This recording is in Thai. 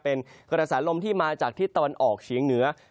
เป็นกระแสลมที่มาจากทิศตะวันออกเฉียงเหนือ